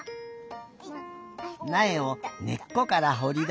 なえをねっこからほりだして。